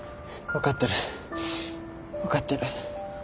分かってる分かってる。